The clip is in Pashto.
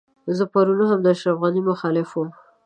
زه پرون هم د اشرف غني مخالف وم.